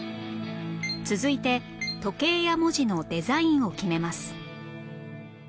続いて時計や文字のデザインを決めます